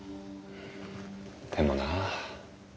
でもなあ。